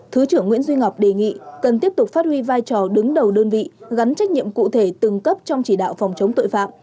thứ trưởng nguyễn duy ngọc đề nghị cần tiếp tục phát huy vai trò đứng đầu đơn vị gắn trách nhiệm cụ thể từng cấp trong chỉ đạo phòng chống tội phạm